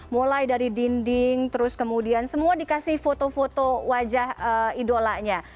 mulai dari dinding terus kemudian semua dikasih foto foto wajah idolanya